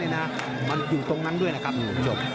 มันอยู่ตรงนั้นด้วยนะครับ